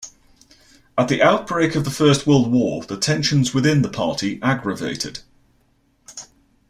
At the outbreak of the First World War, the tensions within the party aggravated.